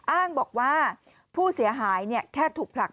อ้างบอกว่าผู้เสียหายแค่ถูกผลัก